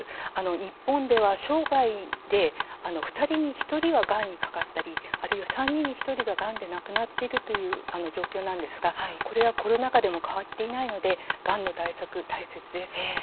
日本では生涯で２人に１人ががんにかかったり３人に１人が亡くなっているという状況なんですがこれはコロナ禍でも変わっていないので、がんの対策が大切です。